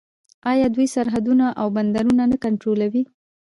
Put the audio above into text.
آیا دوی سرحدونه او بندرونه نه کنټرولوي؟